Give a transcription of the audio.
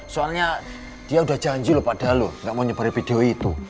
soalnya dia udah janji lho padahal loh nggak mau nyebarin video itu